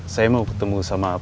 saya mau ketemu sama apa